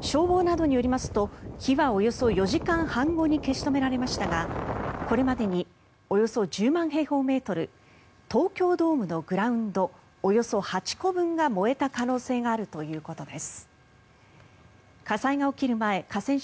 消防などによりますと火はおよそ４時間半後に消し止められましたがこれまでにおよそ１０万平方メートル東京ドームのグラウンドおよそ８個分が燃えた可能性があるということです。